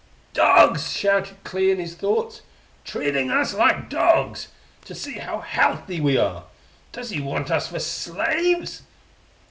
"Dogs!" shouted Clee in his thoughts. "Treating us like dogs, to see how healthy we are! Does he want us for slaves?"